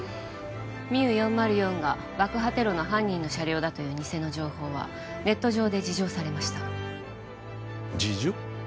ＭＩＵ４０４が爆破テロの犯人の車両だというニセの情報はネット上で自浄されましたじじょう？